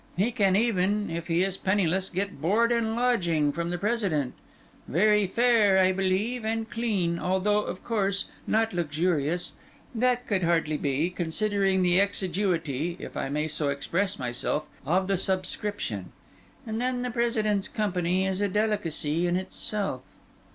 He can even, if he is penniless, get board and lodging from the President: very fair, I believe, and clean, although, of course, not luxurious; that could hardly be, considering the exiguity (if I may so express myself) of the subscription. And then the President's company is a delicacy in itself."